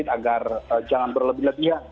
agar jangan berlebihan